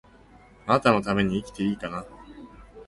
貴方のために生きていいかな